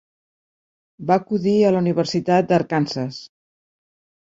Va acudir a la Universitat d'Arkansas.